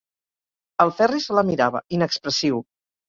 El Ferri se la mirava, inexpressiu.